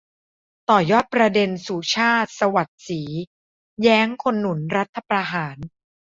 ต่อยอดประเด็น สุชาติ สวัสดิ์ศรี แย้งคนหนุนรัฐประหาร